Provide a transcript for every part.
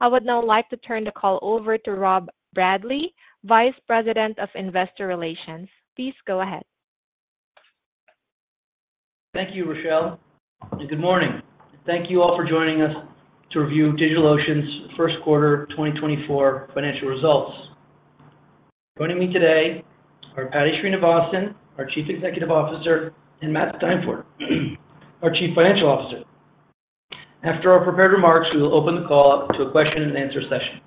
I would now like to turn the call over to Rob Bradley, Vice President of Investor Relations. Please go ahead. Thank you, Rochelle. Good morning. Thank you all for joining us to review DigitalOcean's first quarter 2024 financial results. Joining me today are Paddy Srinivasan, our Chief Executive Officer, and Matt Steinfort, our Chief Financial Officer. After our prepared remarks, we will open the call up to a question-and-answer session.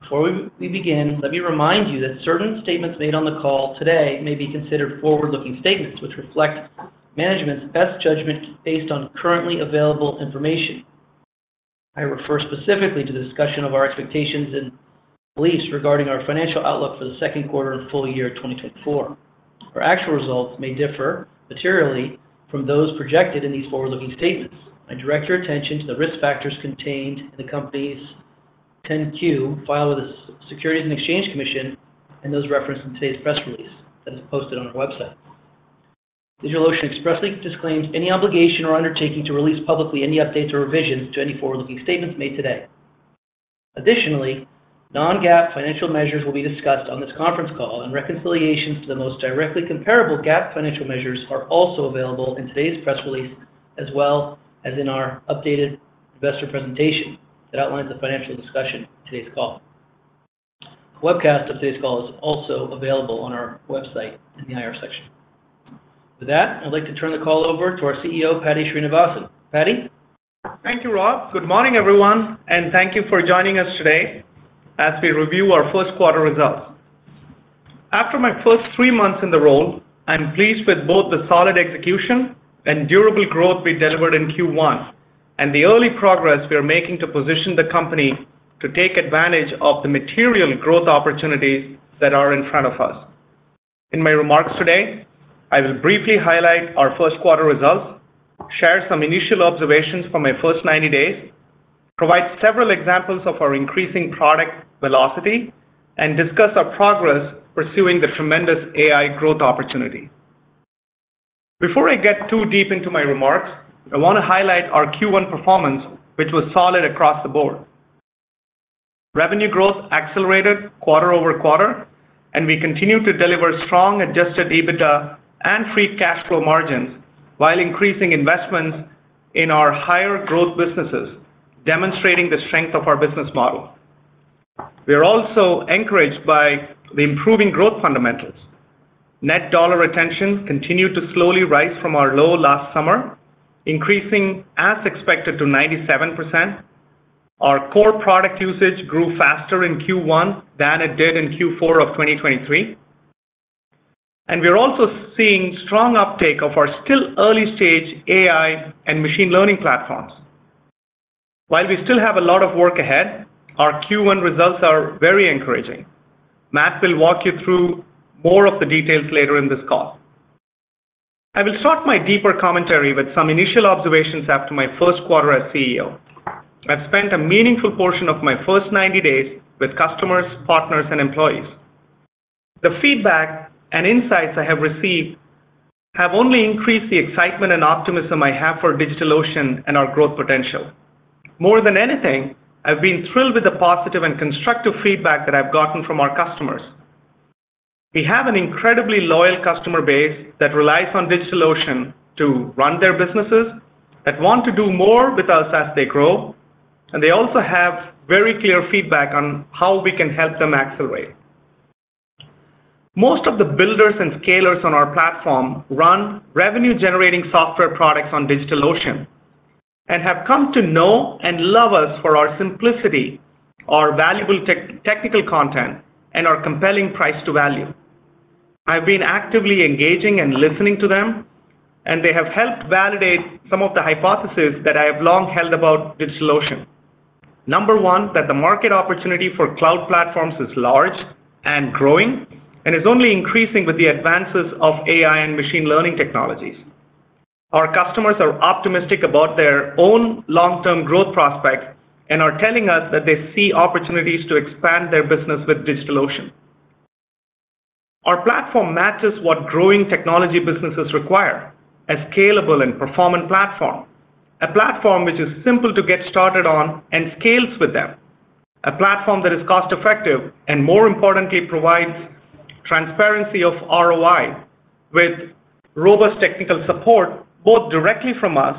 Before we begin, let me remind you that certain statements made on the call today may be considered forward-looking statements which reflect management's best judgment based on currently available information. I refer specifically to the discussion of our expectations and beliefs regarding our financial outlook for the second quarter and full year 2024. Our actual results may differ materially from those projected in these forward-looking statements. I direct your attention to the risk factors contained in the company's 10-Q filed with the Securities and Exchange Commission and those referenced in today's press release that is posted on our website. DigitalOcean expressly disclaims any obligation or undertaking to release publicly any updates or revisions to any forward-looking statements made today. Additionally, non-GAAP financial measures will be discussed on this conference call, and reconciliations to the most directly comparable GAAP financial measures are also available in today's press release as well as in our updated investor presentation that outlines the financial discussion in today's call. A webcast of today's call is also available on our website in the IR section. With that, I'd like to turn the call over to our CEO, Paddy Srinivasan. Paddy? Thank you, Rob. Good morning, everyone, and thank you for joining us today as we review our first quarter results. After my first three months in the role, I'm pleased with both the solid execution and durable growth we delivered in Q1 and the early progress we are making to position the company to take advantage of the material growth opportunities that are in front of us. In my remarks today, I will briefly highlight our first quarter results, share some initial observations from my first 90 days, provide several examples of our increasing product velocity, and discuss our progress pursuing the tremendous AI growth opportunity. Before I get too deep into my remarks, I want to highlight our Q1 performance, which was solid across the board. Revenue growth accelerated quarter-over-quarter, and we continue to deliver strong Adjusted EBITDA and free cash flow margins while increasing investments in our higher growth businesses, demonstrating the strength of our business model. We are also encouraged by the improving growth fundamentals. Net Dollar Retention continued to slowly rise from our low last summer, increasing as expected to 97%. Our core product usage grew faster in Q1 than it did in Q4 of 2023. We are also seeing strong uptake of our still early-stage AI and machine learning platforms. While we still have a lot of work ahead, our Q1 results are very encouraging. Matt will walk you through more of the details later in this call. I will start my deeper commentary with some initial observations after my first quarter as CEO. I've spent a meaningful portion of my first 90 days with customers, partners, and employees. The feedback and insights I have received have only increased the excitement and optimism I have for DigitalOcean and our growth potential. More than anything, I've been thrilled with the positive and constructive feedback that I've gotten from our customers. We have an incredibly loyal customer base that relies on DigitalOcean to run their businesses, that want to do more with us as they grow, and they also have very clear feedback on how we can help them accelerate. Most of the builders and scalers on our platform run revenue-generating software products on DigitalOcean and have come to know and love us for our simplicity, our valuable technical content, and our compelling price-to-value. I've been actively engaging and listening to them, and they have helped validate some of the hypotheses that I have long held about DigitalOcean. Number one, that the market opportunity for cloud platforms is large and growing and is only increasing with the advances of AI and machine learning technologies. Our customers are optimistic about their own long-term growth prospects and are telling us that they see opportunities to expand their business with DigitalOcean. Our platform matches what growing technology businesses require: a scalable and performant platform, a platform which is simple to get started on and scales with them, a platform that is cost-effective and, more importantly, provides transparency of ROI with robust technical support both directly from us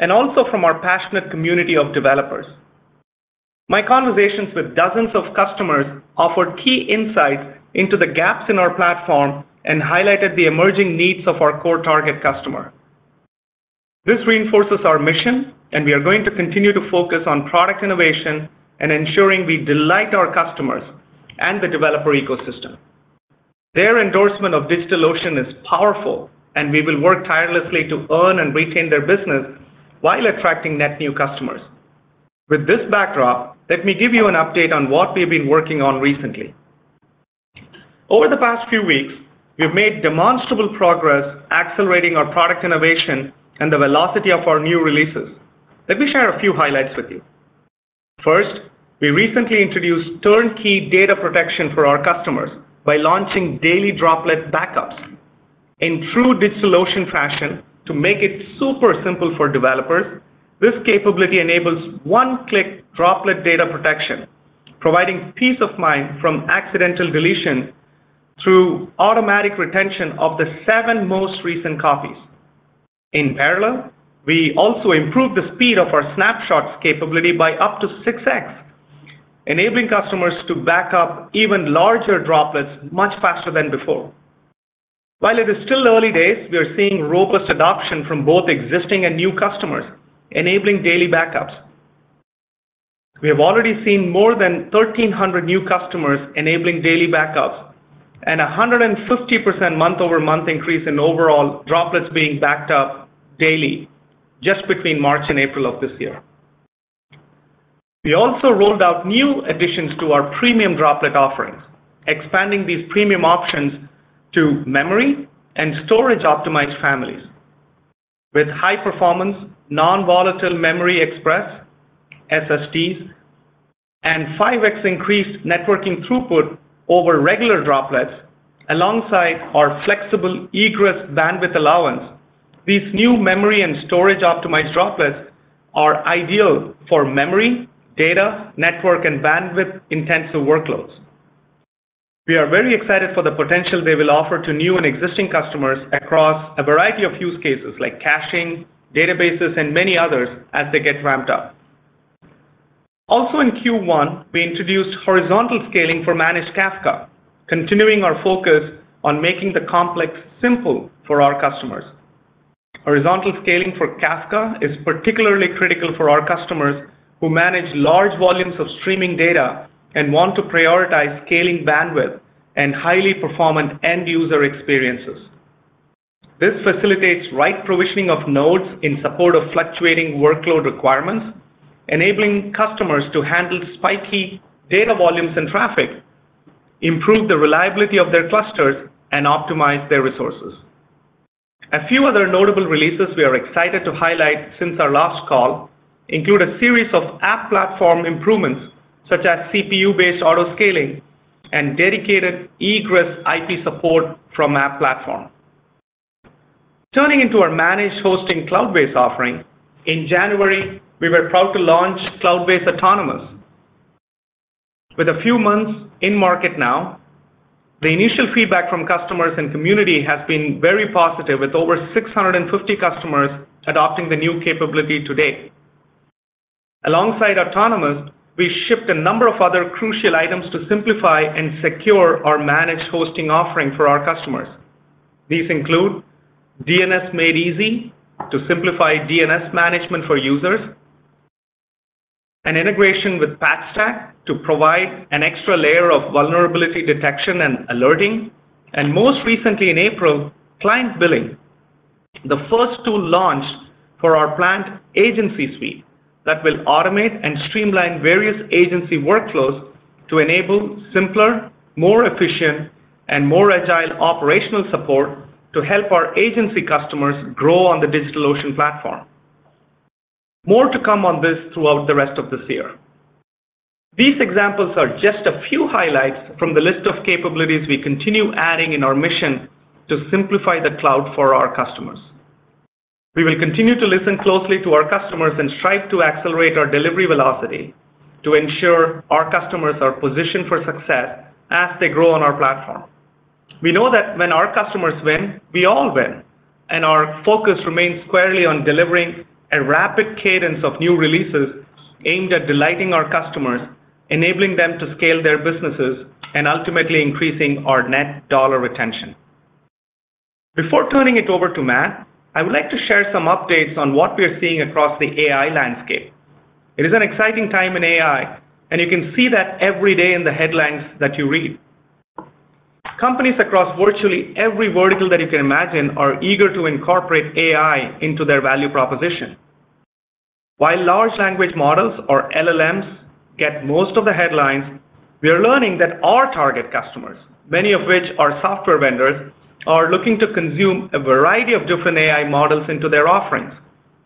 and also from our passionate community of developers. My conversations with dozens of customers offered key insights into the gaps in our platform and highlighted the emerging needs of our core target customer. This reinforces our mission, and we are going to continue to focus on product innovation and ensuring we delight our customers and the developer ecosystem. Their endorsement of DigitalOcean is powerful, and we will work tirelessly to earn and retain their business while attracting net new customers. With this backdrop, let me give you an update on what we have been working on recently. Over the past few weeks, we've made demonstrable progress accelerating our product innovation and the velocity of our new releases. Let me share a few highlights with you. First, we recently introduced turnkey data protection for our customers by launching daily Droplet backups. In true DigitalOcean fashion, to make it super simple for developers, this capability enables one-click Droplet data protection, providing peace of mind from accidental deletion through automatic retention of the seven most recent copies. In parallel, we also improved the speed of our Snapshots capability by up to 6x, enabling customers to back up even larger Droplets much faster than before. While it is still early days, we are seeing robust adoption from both existing and new customers, enabling daily backups. We have already seen more than 1,300 new customers enabling daily backups and a 150% month-over-month increase in overall Droplets being backed up daily just between March and April of this year. We also rolled out new additions to our premium droplet offerings, expanding these premium options to memory and storage-optimized families with high-performance, non-volatile memory express (SSDs) and 5x increased networking throughput over regular Droplets. Alongside our flexible egress bandwidth allowance, these new memory and storage-optimized Droplets are ideal for memory, data, network, and bandwidth-intensive workloads. We are very excited for the potential they will offer to new and existing customers across a variety of use cases like caching, databases, and many others as they get ramped up. Also in Q1, we introduced horizontal scaling for Managed Kafka, continuing our focus on making the complex simple for our customers. Horizontal scaling for Kafka is particularly critical for our customers who manage large volumes of streaming data and want to prioritize scaling bandwidth and highly performant end-user experiences. This facilitates right provisioning of nodes in support of fluctuating workload requirements, enabling customers to handle spiky data volumes and traffic, improve the reliability of their clusters, and optimize their resources. A few other notable releases we are excited to highlight since our last call include a series of App Platform improvements such as CPU-based autoscaling and dedicated egress IP support from App Platform. Turning to our managed hosting cloud-based offering, in January, we were proud to launch Cloudways Autonomous. With a few months in market now, the initial feedback from customers and community has been very positive, with over 650 customers adopting the new capability today. Alongside Autonomous, we shipped a number of other crucial items to simplify and secure our managed hosting offering for our customers. These include DNS Made Easy to simplify DNS management for users, an integration with Patchstack to provide an extra layer of vulnerability detection and alerting, and most recently, in April, Client Billing, the first tool launched for our planned agency suite that will automate and streamline various agency workflows to enable simpler, more efficient, and more agile operational support to help our agency customers grow on the DigitalOcean platform. More to come on this throughout the rest of this year. These examples are just a few highlights from the list of capabilities we continue adding in our mission to simplify the cloud for our customers. We will continue to listen closely to our customers and strive to accelerate our delivery velocity to ensure our customers are positioned for success as they grow on our platform. We know that when our customers win, we all win, and our focus remains squarely on delivering a rapid cadence of new releases aimed at delighting our customers, enabling them to scale their businesses, and ultimately increasing our net dollar retention. Before turning it over to Matt, I would like to share some updates on what we are seeing across the AI landscape. It is an exciting time in AI, and you can see that every day in the headlines that you read. Companies across virtually every vertical that you can imagine are eager to incorporate AI into their value proposition. While large language models, or LLMs, get most of the headlines, we are learning that our target customers, many of which are software vendors, are looking to consume a variety of different AI models into their offerings,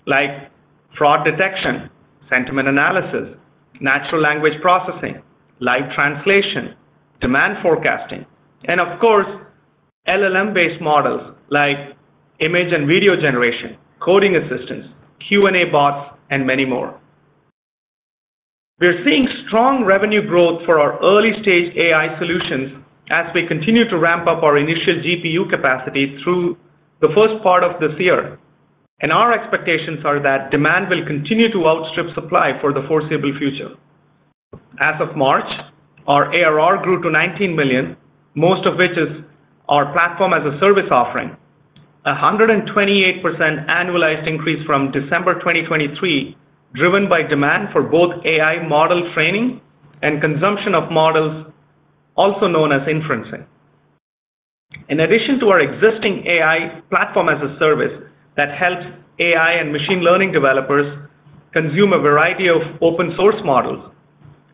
like fraud detection, sentiment analysis, natural language processing, live translation, demand forecasting, and, of course, LLM-based models like image and video generation, coding assistants, Q&A bots, and many more. We are seeing strong revenue growth for our early-stage AI solutions as we continue to ramp up our initial GPU capacity through the first part of this year. Our expectations are that demand will continue to outstrip supply for the foreseeable future. As of March, our ARR grew to $19 million, most of which is our platform-as-a-service offering, a 128% annualized increase from December 2023 driven by demand for both AI model training and consumption of models, also known as inferencing. In addition to our existing AI platform-as-a-service that helps AI and machine learning developers consume a variety of open-source models,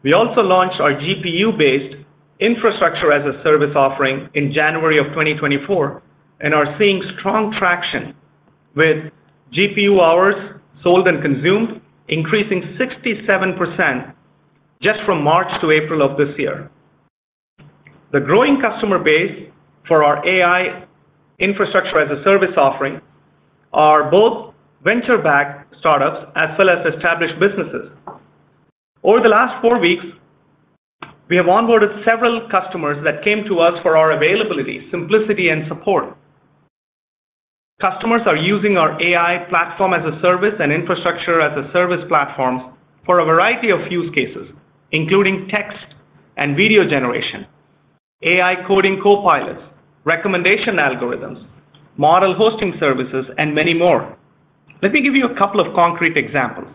we also launched our GPU-based infrastructure-as-a-service offering in January of 2024 and are seeing strong traction with GPU hours sold and consumed increasing 67% just from March to April of this year. The growing customer base for our AI infrastructure-as-a-service offering are both venture-backed startups as well as established businesses. Over the last four weeks, we have onboarded several customers that came to us for our availability, simplicity, and support. Customers are using our AI platform-as-a-service and infrastructure-as-a-service platforms for a variety of use cases, including text and video generation, AI coding copilots, recommendation algorithms, model hosting services, and many more. Let me give you a couple of concrete examples.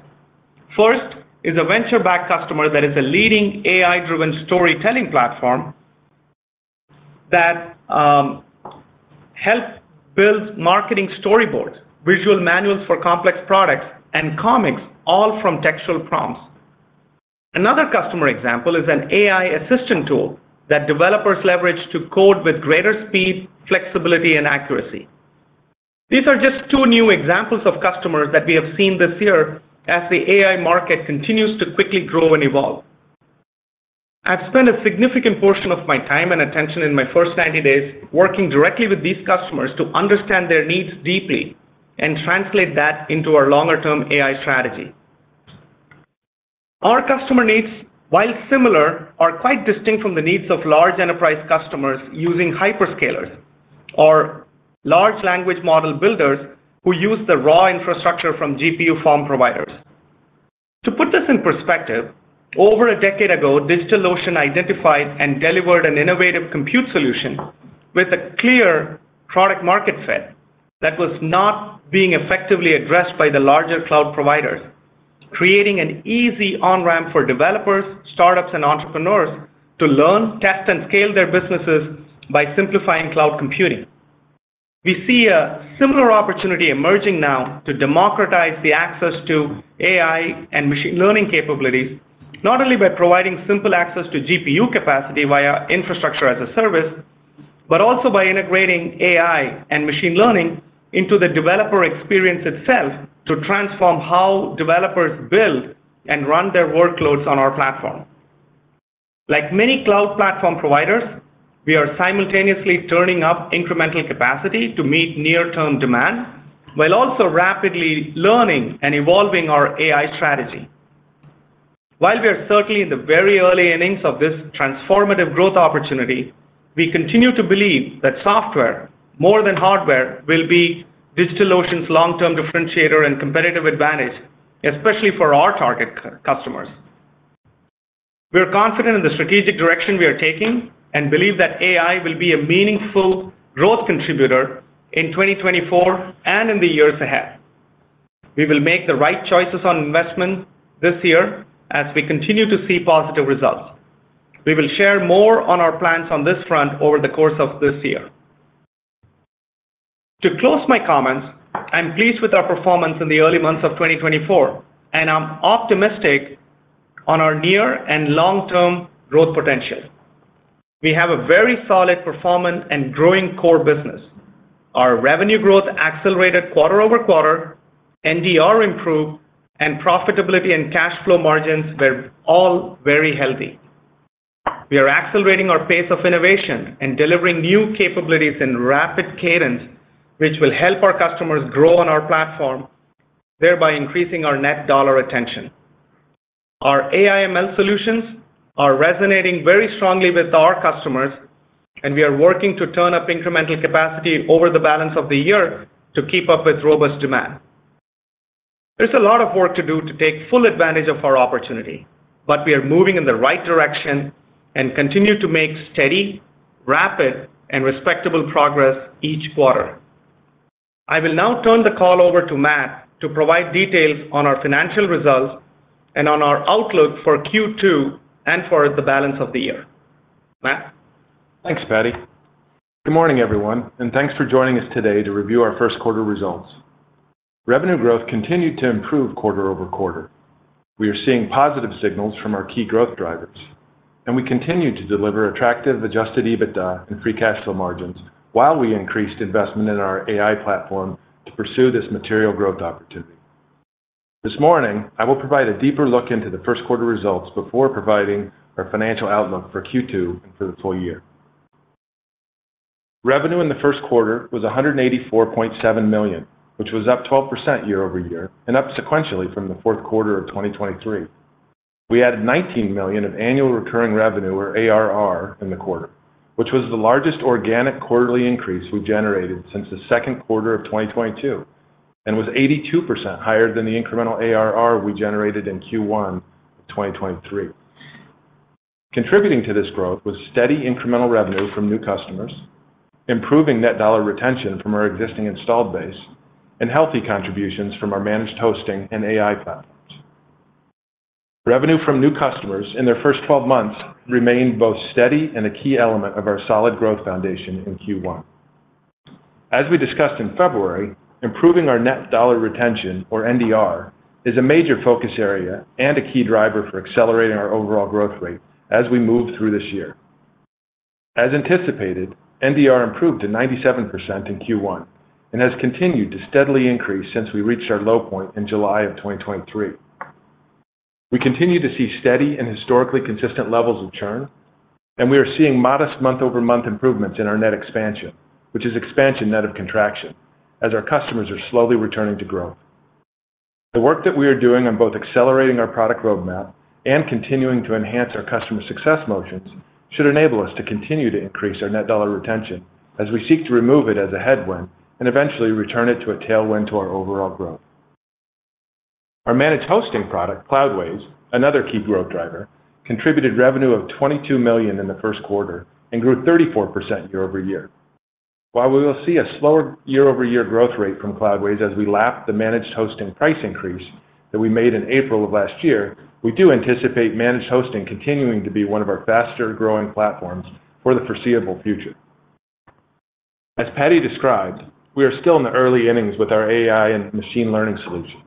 First is a venture-backed customer that is a leading AI-driven storytelling platform that helps build marketing storyboards, visual manuals for complex products, and comics, all from textual prompts. Another customer example is an AI assistant tool that developers leverage to code with greater speed, flexibility, and accuracy. These are just two new examples of customers that we have seen this year as the AI market continues to quickly grow and evolve. I've spent a significant portion of my time and attention in my first 90 days working directly with these customers to understand their needs deeply and translate that into our longer-term AI strategy. Our customer needs, while similar, are quite distinct from the needs of large enterprise customers using hyperscalers or large language model builders who use the raw infrastructure from GPU farm providers. To put this in perspective, over a decade ago, DigitalOcean identified and delivered an innovative compute solution with a clear product-market fit that was not being effectively addressed by the larger cloud providers, creating an easy on-ramp for developers, startups, and entrepreneurs to learn, test, and scale their businesses by simplifying cloud computing. We see a similar opportunity emerging now to democratize the access to AI and machine learning capabilities, not only by providing simple access to GPU capacity via infrastructure-as-a-service, but also by integrating AI and machine learning into the developer experience itself to transform how developers build and run their workloads on our platform. Like many cloud platform providers, we are simultaneously turning up incremental capacity to meet near-term demand while also rapidly learning and evolving our AI strategy. While we are certainly in the very early innings of this transformative growth opportunity, we continue to believe that software, more than hardware, will be DigitalOcean's long-term differentiator and competitive advantage, especially for our target customers. We are confident in the strategic direction we are taking and believe that AI will be a meaningful growth contributor in 2024 and in the years ahead. We will make the right choices on investment this year as we continue to see positive results. We will share more on our plans on this front over the course of this year. To close my comments, I'm pleased with our performance in the early months of 2024, and I'm optimistic on our near and long-term growth potential. We have a very solid performant and growing core business. Our revenue growth accelerated quarter-over-quarter, NDR improved, and profitability and cash flow margins were all very healthy. We are accelerating our pace of innovation and delivering new capabilities in rapid cadence, which will help our customers grow on our platform, thereby increasing our net dollar retention. Our AI/ML solutions are resonating very strongly with our customers, and we are working to turn up incremental capacity over the balance of the year to keep up with robust demand. There's a lot of work to do to take full advantage of our opportunity, but we are moving in the right direction and continue to make steady, rapid, and respectable progress each quarter. I will now turn the call over to Matt to provide details on our financial results and on our outlook for Q2 and for the balance of the year. Matt? Thanks, Paddy. Good morning, everyone, and thanks for joining us today to review our first-quarter results. Revenue growth continued to improve quarter-over-quarter. We are seeing positive signals from our key growth drivers, and we continue to deliver attractive Adjusted EBITDA and free cash flow margins while we increased investment in our AI platform to pursue this material growth opportunity. This morning, I will provide a deeper look into the first-quarter results before providing our financial outlook for Q2 and for the full year. Revenue in the first quarter was $184.7 million, which was up 12% year-over-year and up sequentially from the fourth quarter of 2023. We added $19 million of annual recurring revenue, or ARR, in the quarter, which was the largest organic quarterly increase we generated since the second quarter of 2022 and was 82% higher than the incremental ARR we generated in Q1 of 2023. Contributing to this growth was steady incremental revenue from new customers, improving net dollar retention from our existing installed base, and healthy contributions from our managed hosting and AI platforms. Revenue from new customers in their first 12 months remained both steady and a key element of our solid growth foundation in Q1. As we discussed in February, improving our net dollar retention, or NDR, is a major focus area and a key driver for accelerating our overall growth rate as we move through this year. As anticipated, NDR improved to 97% in Q1 and has continued to steadily increase since we reached our low point in July of 2023. We continue to see steady and historically consistent levels of churn, and we are seeing modest month-over-month improvements in our net expansion, which is expansion net of contraction, as our customers are slowly returning to growth. The work that we are doing on both accelerating our product roadmap and continuing to enhance our customer success motions should enable us to continue to increase our net dollar retention as we seek to remove it as a headwind and eventually return it to a tailwind to our overall growth. Our managed hosting product, Cloudways, another key growth driver, contributed revenue of $22 million in the first quarter and grew 34% year-over-year. While we will see a slower year-over-year growth rate from Cloudways as we lap the managed hosting price increase that we made in April of last year, we do anticipate managed hosting continuing to be one of our faster-growing platforms for the foreseeable future. As Paddy described, we are still in the early innings with our AI and machine learning solutions,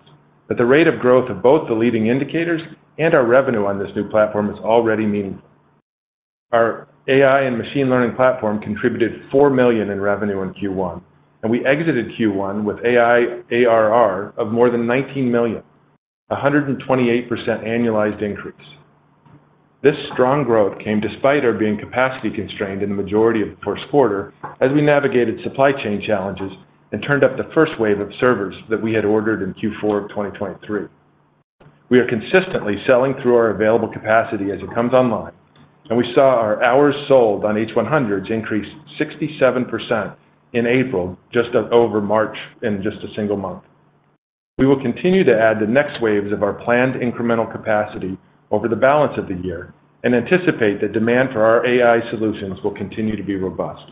but the rate of growth of both the leading indicators and our revenue on this new platform is already meaningful. Our AI and machine learning platform contributed $4 million in revenue in Q1, and we exited Q1 with AI/ARR of more than $19 million, a 128% annualized increase. This strong growth came despite our being capacity-constrained in the majority of the first quarter as we navigated supply chain challenges and turned up the first wave of servers that we had ordered in Q4 of 2023. We are consistently selling through our available capacity as it comes online, and we saw our hours sold on H100s increase 67% in April just over March in just a single month. We will continue to add the next waves of our planned incremental capacity over the balance of the year and anticipate that demand for our AI solutions will continue to be robust.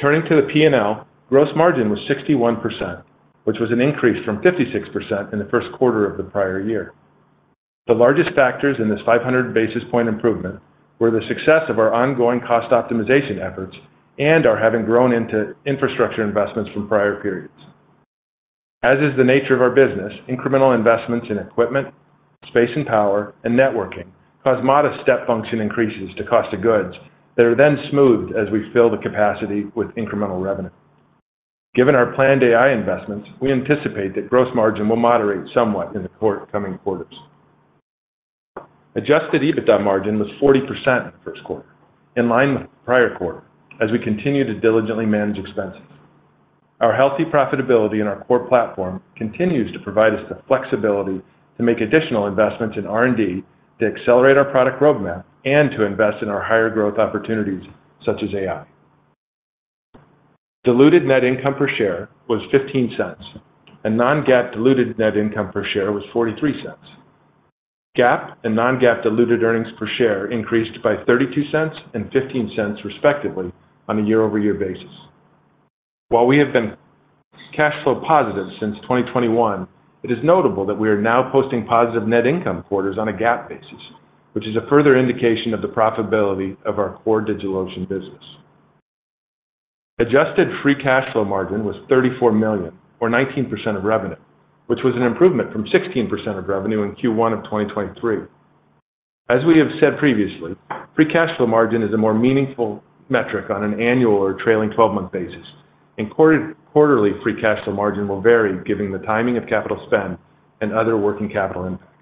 Turning to the P&L, gross margin was 61%, which was an increase from 56% in the first quarter of the prior year. The largest factors in this 500 basis point improvement were the success of our ongoing cost optimization efforts and our having grown into infrastructure investments from prior periods. As is the nature of our business, incremental investments in equipment, space and power, and networking cause modest step function increases to cost of goods that are then smoothed as we fill the capacity with incremental revenue. Given our planned AI investments, we anticipate that gross margin will moderate somewhat in the coming quarters. Adjusted EBITDA margin was 40% in the first quarter, in line with the prior quarter, as we continue to diligently manage expenses. Our healthy profitability in our core platform continues to provide us the flexibility to make additional investments in R&D to accelerate our product roadmap and to invest in our higher growth opportunities such as AI. Diluted net income per share was $0.15, and non-GAAP diluted net income per share was $0.43. GAAP and non-GAAP diluted earnings per share increased by $0.32 and $0.15, respectively, on a year-over-year basis. While we have been cash flow positive since 2021, it is notable that we are now posting positive net income quarters on a GAAP basis, which is a further indication of the profitability of our core DigitalOcean business. Adjusted free cash flow margin was $34 million, or 19% of revenue, which was an improvement from 16% of revenue in Q1 of 2023. As we have said previously, free cash flow margin is a more meaningful metric on an annual or trailing 12-month basis, and quarterly free cash flow margin will vary given the timing of capital spend and other working capital impacts.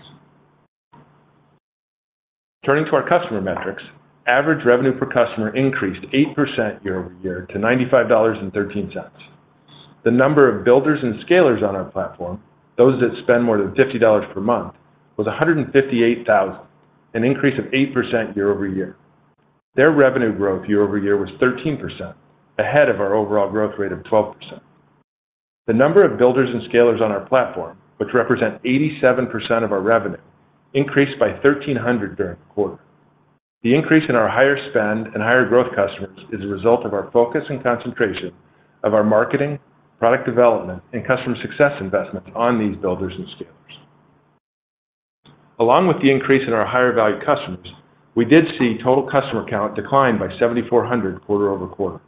Turning to our customer metrics, average revenue per customer increased 8% year-over-year to $95.13. The number of builders and scalers on our platform, those that spend more than $50 per month, was 158,000, an increase of 8% year-over-year. Their revenue growth year-over-year was 13%, ahead of our overall growth rate of 12%. The number of builders and scalers on our platform, which represent 87% of our revenue, increased by 1,300 during the quarter. The increase in our higher spend and higher growth customers is a result of our focus and concentration of our marketing, product development, and customer success investments on these builders and scalers. Along with the increase in our higher-value customers, we did see total customer count decline by 7,400 quarter-over-quarter.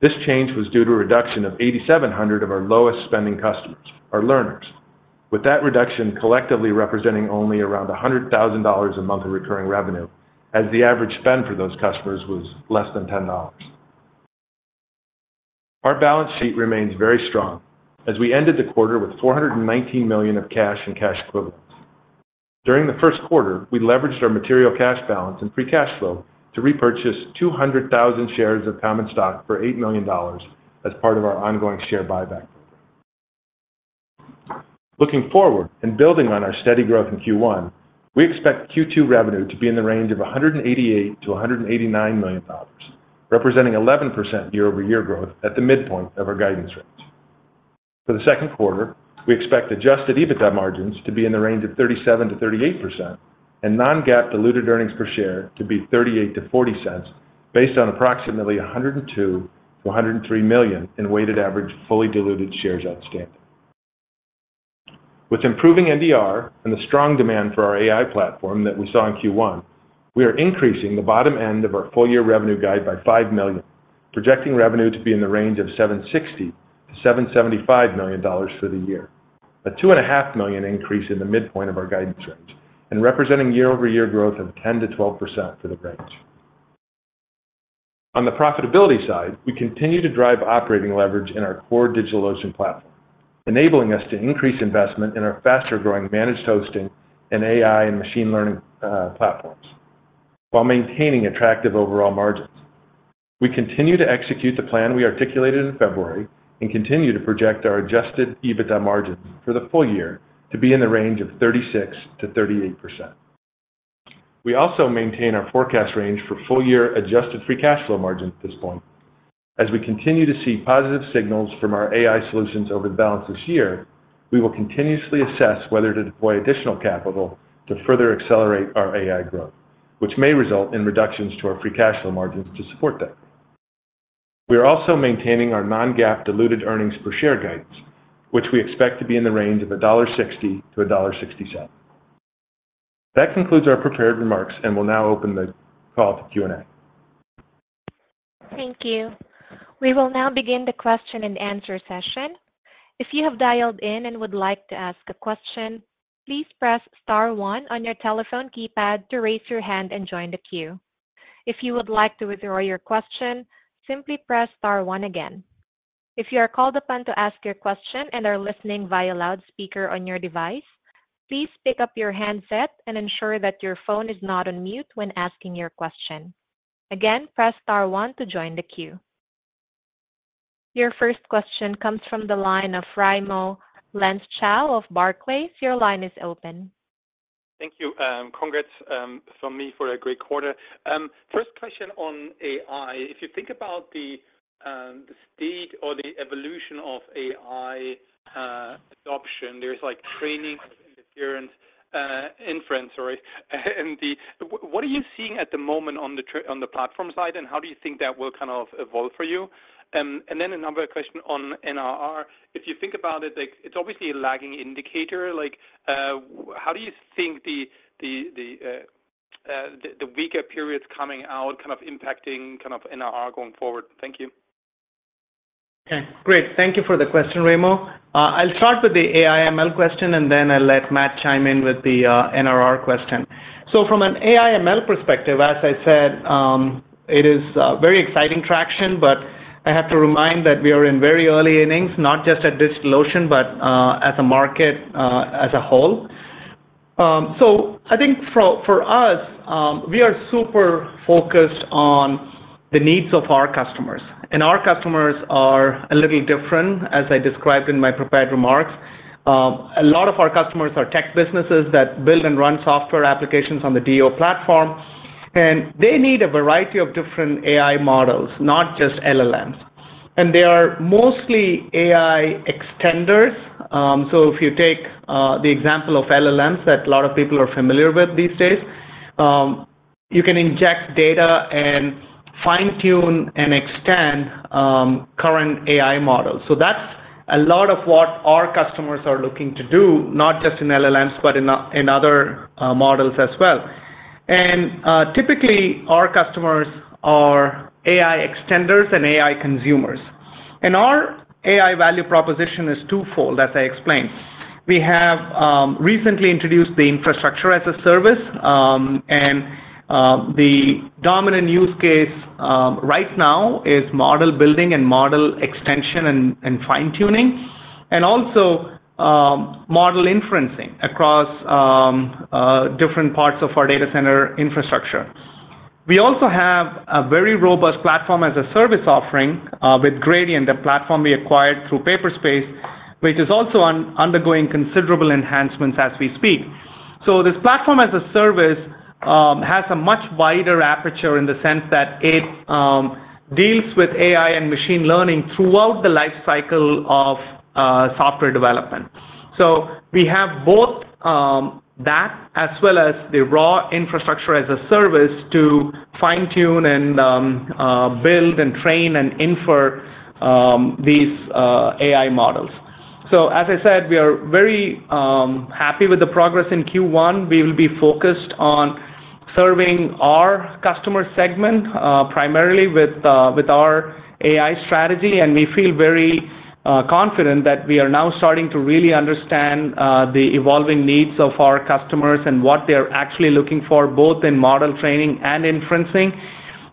This change was due to a reduction of 8,700 of our lowest spending customers, our learners, with that reduction collectively representing only around $100,000 a month of recurring revenue as the average spend for those customers was less than $10. Our balance sheet remains very strong as we ended the quarter with $419 million of cash and cash equivalents. During the first quarter, we leveraged our material cash balance and free cash flow to repurchase 200,000 shares of common stock for $8 million as part of our ongoing share buyback program. Looking forward and building on our steady growth in Q1, we expect Q2 revenue to be in the range of $188 million-$189 million, representing 11% year-over-year growth at the midpoint of our guidance range. For the second quarter, we expect Adjusted EBITDA margins to be in the range of 37%-38%, and Non-GAAP diluted earnings per share to be $0.38-$0.40 based on approximately 102 million-103 million in weighted average fully diluted shares outstanding. With improving NDR and the strong demand for our AI platform that we saw in Q1, we are increasing the bottom end of our full-year revenue guide by $5 million, projecting revenue to be in the range of $760 million-$775 million for the year, a $2.5 million increase in the midpoint of our guidance range, and representing year-over-year growth of 10%-12% for the range. On the profitability side, we continue to drive operating leverage in our core DigitalOcean platform, enabling us to increase investment in our faster-growing managed hosting and AI and machine learning platforms while maintaining attractive overall margins. We continue to execute the plan we articulated in February and continue to project our adjusted EBITDA margins for the full year to be in the range of 36%-38%. We also maintain our forecast range for full-year adjusted free cash flow margin at this point. As we continue to see positive signals from our AI solutions over the balance of this year, we will continuously assess whether to deploy additional capital to further accelerate our AI growth, which may result in reductions to our free cash flow margins to support that. We are also maintaining our non-GAAP diluted earnings per share guidance, which we expect to be in the range of $1.60-$1.67. That concludes our prepared remarks and will now open the call to Q&A. Thank you. We will now begin the question and answer session. If you have dialed in and would like to ask a question, please press star one on your telephone keypad to raise your hand and join the queue. If you would like to withdraw your question, simply press star one again. If you are called upon to ask your question and are listening via loudspeaker on your device, please pick up your handset and ensure that your phone is not on mute when asking your question. Again, press star 1 to join the queue. Your first question comes from the line of Raimo Lenschow of Barclays. Your line is open. Thank you. Congrats from me for a great quarter. First question on AI. If you think about the state or the evolution of AI adoption, there's training of inference, sorry. What are you seeing at the moment on the platform side, and how do you think that will kind of evolve for you? And then another question on NRR. If you think about it, it's obviously a lagging indicator. How do you think the weaker periods coming out kind of impacting NRR going forward? Thank you. Okay. Great. Thank you for the question, Raimo. I'll start with the AI/ML question, and then I'll let Matt chime in with the NRR question. So from an AI/ML perspective, as I said, it is very exciting traction, but I have to remind that we are in very early innings, not just at DigitalOcean but as a market as a whole. So I think for us, we are super focused on the needs of our customers. And our customers are a little different, as I described in my prepared remarks. A lot of our customers are tech businesses that build and run software applications on the DO platform, and they need a variety of different AI models, not just LLMs. And they are mostly AI extenders. So if you take the example of LLMs that a lot of people are familiar with these days, you can inject data and fine-tune and extend current AI models. So that's a lot of what our customers are looking to do, not just in LLMs but in other models as well. And typically, our customers are AI extenders and AI consumers. And our AI value proposition is twofold, as I explained. We have recently introduced the infrastructure as a service, and the dominant use case right now is model building and model extension and fine-tuning, and also model inferencing across different parts of our data center infrastructure. We also have a very robust platform as a service offering with Gradient, a platform we acquired through Paperspace, which is also undergoing considerable enhancements as we speak. So this platform as a service has a much wider aperture in the sense that it deals with AI and machine learning throughout the lifecycle of software development. So we have both that as well as the raw infrastructure as a service to fine-tune and build and train and infer these AI models. So as I said, we are very happy with the progress in Q1. We will be focused on serving our customer segment primarily with our AI strategy, and we feel very confident that we are now starting to really understand the evolving needs of our customers and what they are actually looking for, both in model training and inferencing.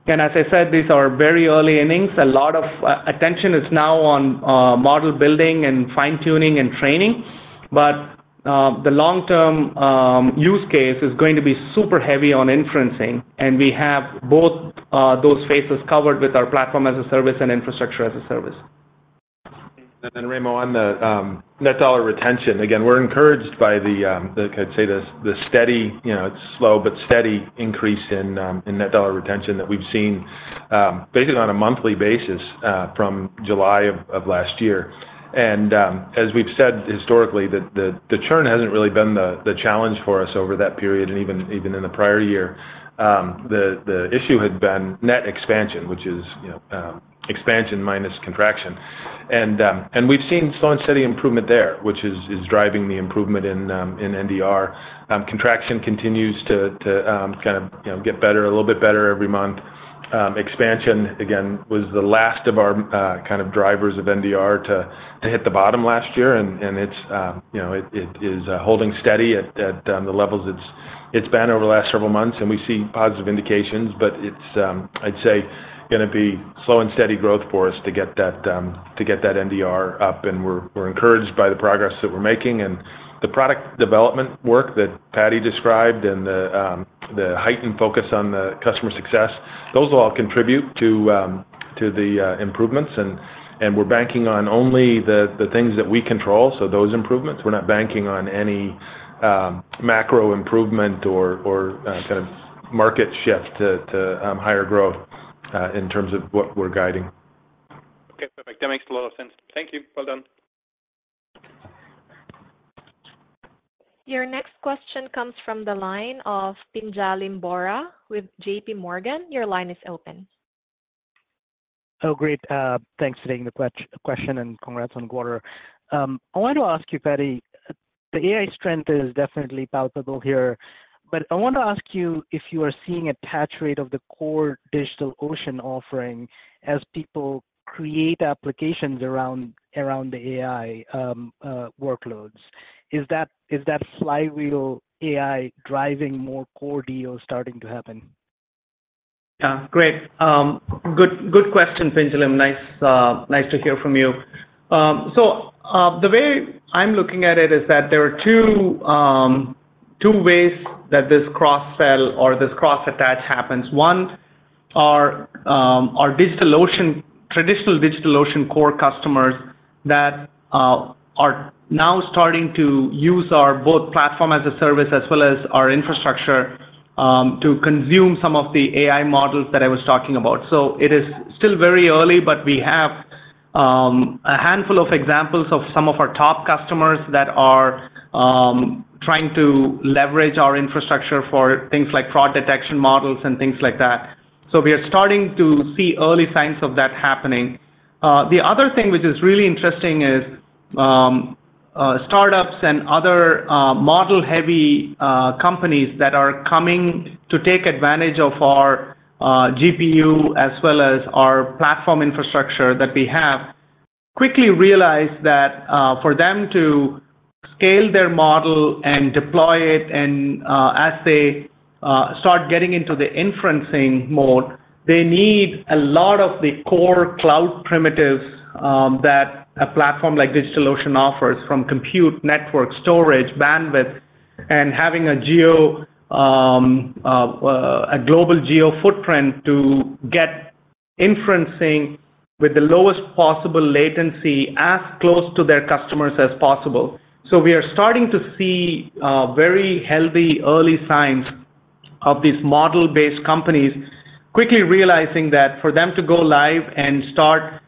And as I said, these are very early innings. A lot of attention is now on model building and fine-tuning and training, but the long-term use case is going to be super heavy on inferencing, and we have both those faces covered with our platform as a service and infrastructure as a service. And then, Raimo, on the net dollar retention, again, we're encouraged by the, I'd say, the steady, it's slow, but steady increase in net dollar retention that we've seen basically on a monthly basis from July of last year. And as we've said historically, the churn hasn't really been the challenge for us over that period, and even in the prior year, the issue had been net expansion, which is expansion minus contraction. And we've seen slow and steady improvement there, which is driving the improvement in NDR. Contraction continues to kind of get better, a little bit better every month. Expansion, again, was the last of our kind of drivers of NDR to hit the bottom last year, and it is holding steady at the levels it's been over the last several months. We see positive indications, but it's, I'd say, going to be slow and steady growth for us to get that NDR up. We're encouraged by the progress that we're making. The product development work that Paddy described and the heightened focus on the customer success, those all contribute to the improvements. We're banking on only the things that we control, so those improvements. We're not banking on any macro improvement or kind of market shift to higher growth in terms of what we're guiding. Okay. Perfect. That makes a lot of sense. Thank you. Well done. Your next question comes from the line of Pinjalim Bora with JPMorgan. Your line is open. Oh, great. Thanks for taking the question, and congrats on the quarter. I wanted to ask you, Paddy, the AI strength is definitely palpable here, but I want to ask you if you are seeing an attach rate of the core DigitalOcean offering as people create applications around the AI workloads. Is that flywheel AI driving more core DOs starting to happen? Yeah. Great. Good question, Pinjalim. Nice to hear from you. So the way I'm looking at it is that there are two ways that this cross-sell or this cross-attach happens. One are traditional DigitalOcean core customers that are now starting to use both platform as a service as well as our infrastructure to consume some of the AI models that I was talking about. So it is still very early, but we have a handful of examples of some of our top customers that are trying to leverage our infrastructure for things like fraud detection models and things like that. So we are starting to see early signs of that happening. The other thing which is really interesting is startups and other model-heavy companies that are coming to take advantage of our GPU as well as our platform infrastructure that we have quickly realized that for them to scale their model and deploy it, and as they start getting into the inferencing mode, they need a lot of the core cloud primitives that a platform like DigitalOcean offers from compute, network, storage, bandwidth, and having a global geo footprint to get inferencing with the lowest possible latency as close to their customers as possible. So we are starting to see very healthy early signs of these model-based companies quickly realizing that for them to go live and start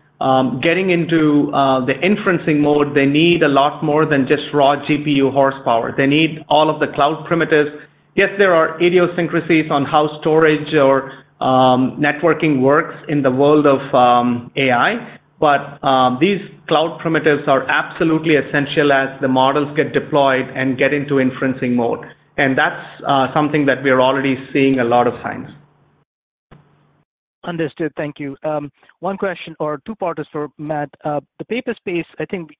getting into the inferencing mode, they need a lot more than just raw GPU horsepower. They need all of the cloud primitives. Yes, there are idiosyncrasies on how storage or networking works in the world of AI, but these cloud primitives are absolutely essential as the models get deployed and get into inferencing mode. That's something that we are already seeing a lot of signs. Understood. Thank you. One question or two part is for Matt. The Paperspace, I think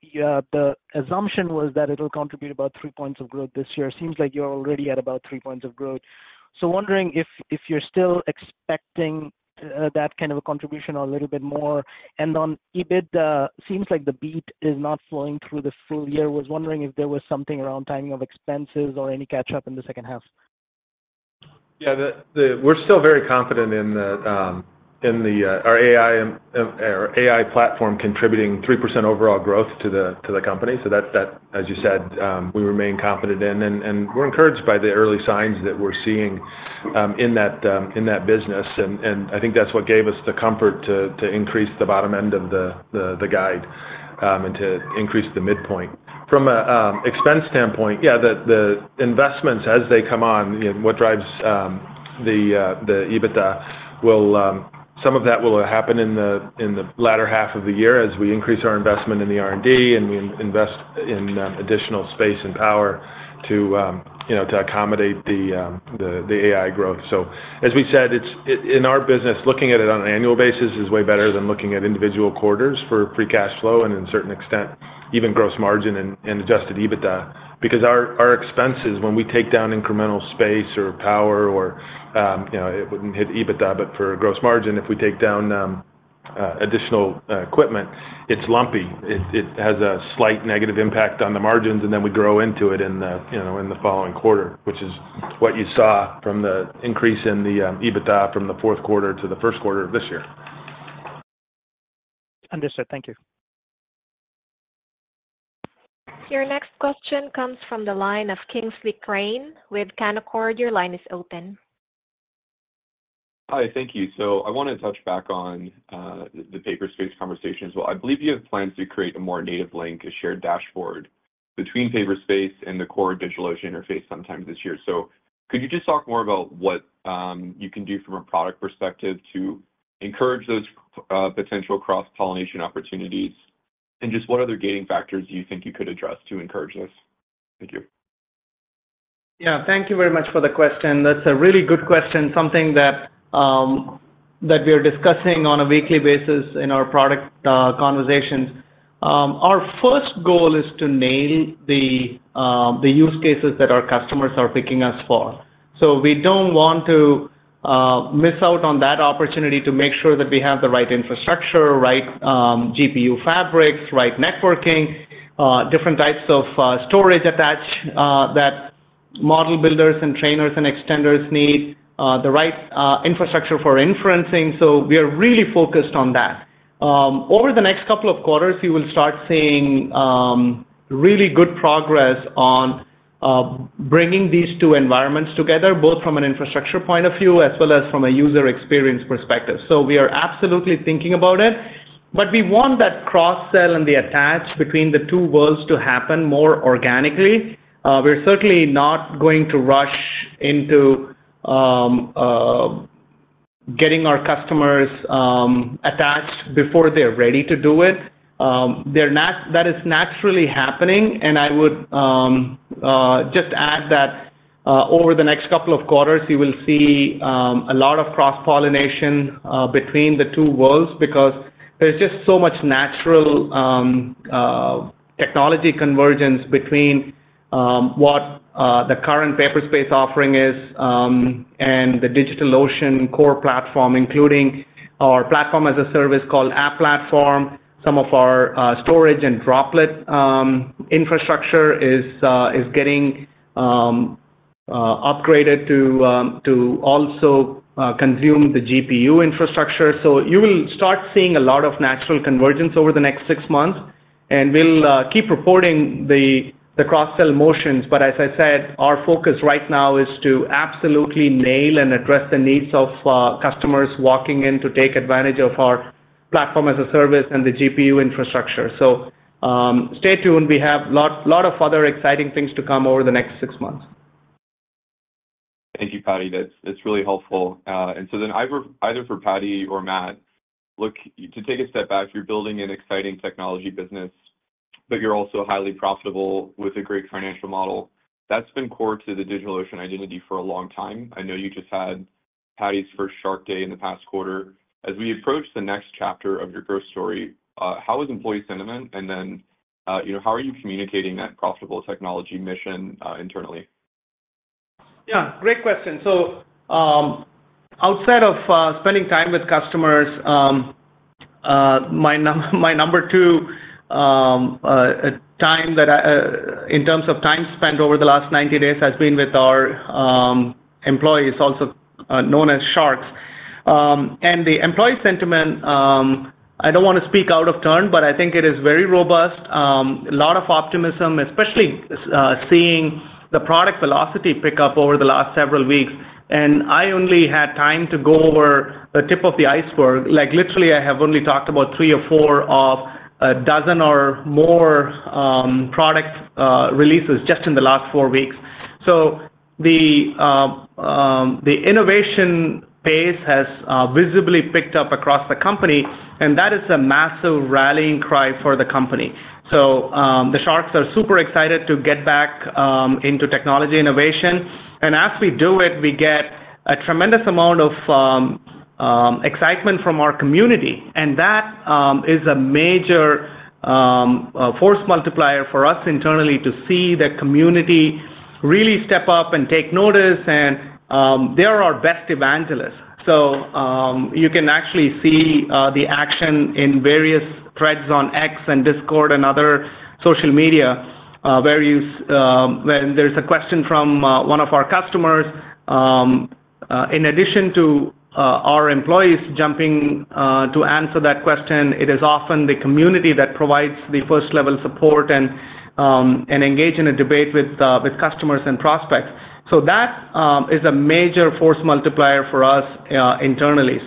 the assumption was that it'll contribute about three points of growth this year. Seems like you're already at about three points of growth. So wondering if you're still expecting that kind of a contribution or a little bit more. And on EBIT, seems like the beat is not flowing through the full year. Was wondering if there was something around timing of expenses or any catch-up in the second half. Yeah. We're still very confident in our AI platform contributing 3% overall growth to the company. So that, as you said, we remain confident in. And we're encouraged by the early signs that we're seeing in that business. And I think that's what gave us the comfort to increase the bottom end of the guide and to increase the midpoint. From an expense standpoint, yeah, the investments as they come on, what drives the EBITDA, some of that will happen in the latter half of the year as we increase our investment in the R&D and we invest in additional space and power to accommodate the AI growth. So as we said, in our business, looking at it on an annual basis is way better than looking at individual quarters for free cash flow and, in certain extent, even gross margin and Adjusted EBITDA because our expenses, when we take down incremental space or power or it wouldn't hit EBITDA, but for gross margin, if we take down additional equipment, it's lumpy. It has a slight negative impact on the margins, and then we grow into it in the following quarter, which is what you saw from the increase in the EBITDA from the fourth quarter to the first quarter of this year. Understood. Thank you. Your next question comes from the line of Kingsley Crane with Canaccord. Your line is open. Hi. Thank you. So I want to touch back on the Paperspace conversations as well. I believe you have plans to create a more native link, a shared dashboard between Paperspace and the core DigitalOcean interface sometime this year. So could you just talk more about what you can do from a product perspective to encourage those potential cross-pollination opportunities, and just what other gating factors do you think you could address to encourage this? Thank you. Yeah. Thank you very much for the question. That's a really good question, something that we are discussing on a weekly basis in our product conversations. Our first goal is to nail the use cases that our customers are picking us for. So we don't want to miss out on that opportunity to make sure that we have the right infrastructure, right GPU fabrics, right networking, different types of storage attached that model builders and trainers and extenders need, the right infrastructure for inferencing. So we are really focused on that. Over the next couple of quarters, you will start seeing really good progress on bringing these two environments together, both from an infrastructure point of view as well as from a user experience perspective. So we are absolutely thinking about it, but we want that cross-sell and the attach between the two worlds to happen more organically. We're certainly not going to rush into getting our customers attached before they're ready to do it. That is naturally happening. And I would just add that over the next couple of quarters, you will see a lot of cross-pollination between the two worlds because there's just so much natural technology convergence between what the current Paperspace offering is and the DigitalOcean core platform, including our platform as a service called App Platform. Some of our storage and Droplet infrastructure is getting upgraded to also consume the GPU infrastructure. So you will start seeing a lot of natural convergence over the next six months, and we'll keep reporting the cross-sell motions. But as I said, our focus right now is to absolutely nail and address the needs of customers walking in to take advantage of our platform as a service and the GPU infrastructure. So stay tuned. We have a lot of other exciting things to come over the next six months. Thank you, Paddy. That's really helpful. And so then either for Paddy or Matt, to take a step back, you're building an exciting technology business, but you're also highly profitable with a great financial model. That's been core to the DigitalOcean identity for a long time. I know you just had Paddy's first Shark Day in the past quarter. As we approach the next chapter of your growth story, how is employee sentiment? And then how are you communicating that profitable technology mission internally? Yeah. Great question. So outside of spending time with customers, my number two time in terms of time spent over the last 90 days has been with our employees, also known as Sharks. And the employee sentiment, I don't want to speak out of turn, but I think it is very robust. A lot of optimism, especially seeing the product velocity pick up over the last several weeks. And I only had time to go over the tip of the iceberg. Literally, I have only talked about three or four of a dozen or more product releases just in the last four weeks. So the innovation pace has visibly picked up across the company, and that is a massive rallying cry for the company. So the Sharks are super excited to get back into technology innovation. As we do it, we get a tremendous amount of excitement from our community. That is a major force multiplier for us internally to see the community really step up and take notice. They are our best evangelists. You can actually see the action in various threads on X and Discord and other social media where there's a question from one of our customers. In addition to our employees jumping to answer that question, it is often the community that provides the first-level support and engage in a debate with customers and prospects. That is a major force multiplier for us internally.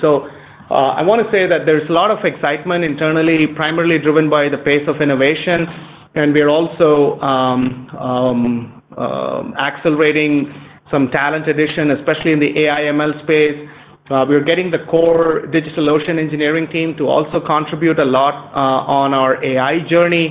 I want to say that there's a lot of excitement internally, primarily driven by the pace of innovation. We are also accelerating some talent addition, especially in the AI/ML space. We are getting the core DigitalOcean engineering team to also contribute a lot on our AI journey.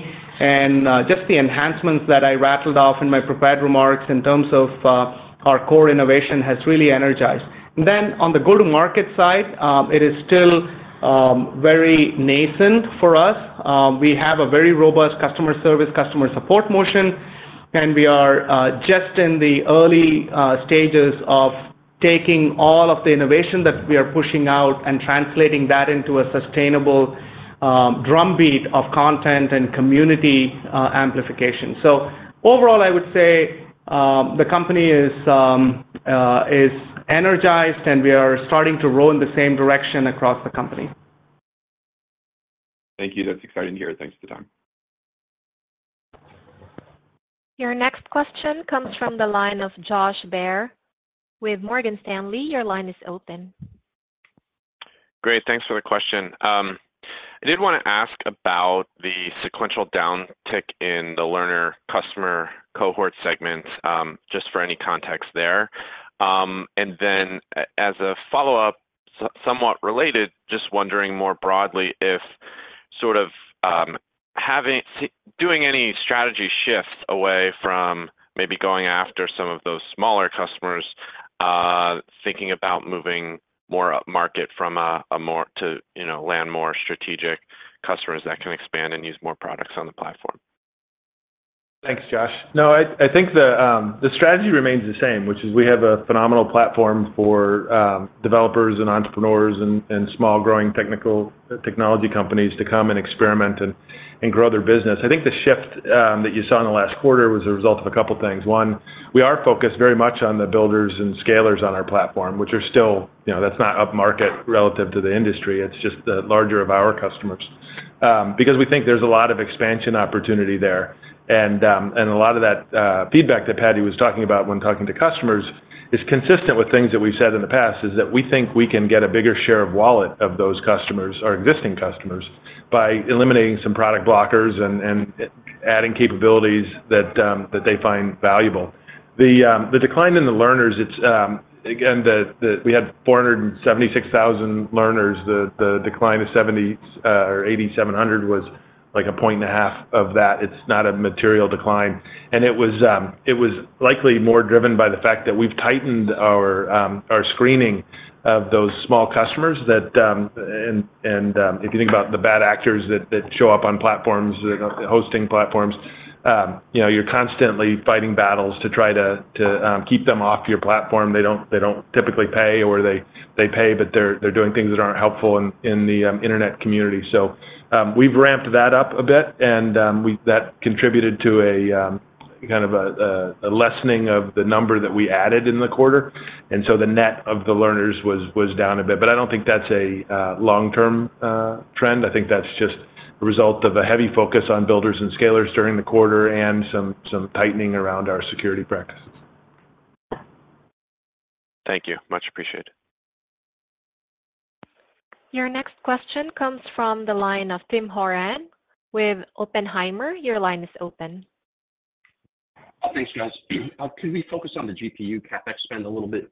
Just the enhancements that I rattled off in my prepared remarks in terms of our core innovation has really energized. On the go-to-market side, it is still very nascent for us. We have a very robust customer service, customer support motion, and we are just in the early stages of taking all of the innovation that we are pushing out and translating that into a sustainable drumbeat of content and community amplification. Overall, I would say the company is energized, and we are starting to row in the same direction across the company. Thank you. That's exciting to hear. Thanks for the time. Your next question comes from the line of Josh Baer with Morgan Stanley. Your line is open. Great. Thanks for the question. I did want to ask about the sequential downtick in the learner customer cohort segment just for any context there. And then as a follow-up, somewhat related, just wondering more broadly if sort of doing any strategy shifts away from maybe going after some of those smaller customers, thinking about moving more upmarket from a more to land more strategic customers that can expand and use more products on the platform? Thanks, Josh. No, I think the strategy remains the same, which is we have a phenomenal platform for developers and entrepreneurs and small growing technology companies to come and experiment and grow their business. I think the shift that you saw in the last quarter was a result of a couple of things. One, we are focused very much on the builders and scalers on our platform, which are still, that's not upmarket relative to the industry. It's just the larger of our customers because we think there's a lot of expansion opportunity there. A lot of that feedback that Paddy was talking about when talking to customers is consistent with things that we've said in the past, is that we think we can get a bigger share of wallet of those customers, our existing customers, by eliminating some product blockers and adding capabilities that they find valuable. The decline in the learners, it's again, we had 476,000 learners. The decline of 70 or 8,700 was like 1.5 of that. It's not a material decline. It was likely more driven by the fact that we've tightened our screening of those small customers. If you think about the bad actors that show up on platforms, hosting platforms, you're constantly fighting battles to try to keep them off your platform. They don't typically pay, or they pay, but they're doing things that aren't helpful in the internet community. We've ramped that up a bit, and that contributed to kind of a lessening of the number that we added in the quarter. The net of the learners was down a bit. I don't think that's a long-term trend. I think that's just a result of a heavy focus on builders and scalers during the quarter and some tightening around our security practices. Thank you. Much appreciated. Your next question comes from the line of Tim Horan with Oppenheimer. Your line is open. Thanks, Josh. Can we focus on the GPU CapEx spend a little bit?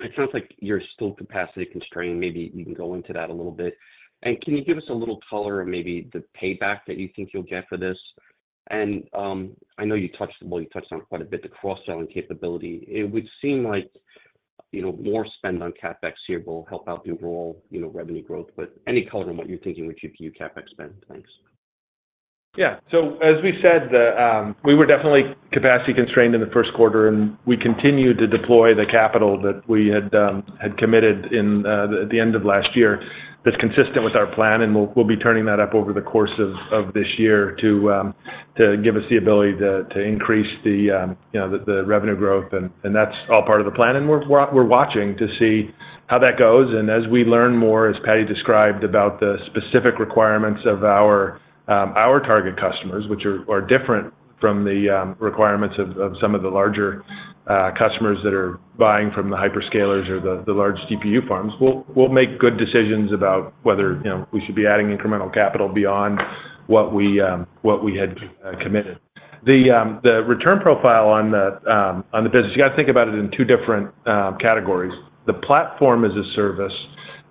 It sounds like you're still capacity constrained. Maybe you can go into that a little bit. And can you give us a little color on maybe the payback that you think you'll get for this? And I know you touched on, well, you touched on quite a bit, the cross-selling capability. It would seem like more spend on CapEx here will help overall revenue growth, but any color on what you're thinking with GPU CapEx spend? Thanks. Yeah. So as we said, we were definitely capacity constrained in the first quarter, and we continue to deploy the capital that we had committed at the end of last year that's consistent with our plan. And we'll be turning that up over the course of this year to give us the ability to increase the revenue growth. And that's all part of the plan. And we're watching to see how that goes. And as we learn more, as Paddy described, about the specific requirements of our target customers, which are different from the requirements of some of the larger customers that are buying from the hyperscalers or the large GPU farms, we'll make good decisions about whether we should be adding incremental capital beyond what we had committed. The return profile on the business, you got to think about it in two different categories. The platform as a service